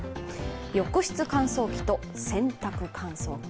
浴室乾燥機と洗濯乾燥機。